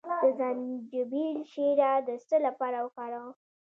د زنجبیل شیره د څه لپاره وکاروم؟